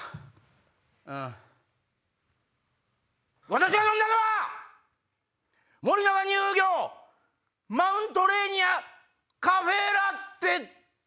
私が飲んだのは森永乳業マウントレーニアカフェラッテです！